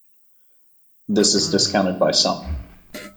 This is discounted by some.